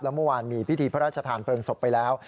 เมื่อวานมีพิธีพระราชทานเพลิงศพไปแล้ว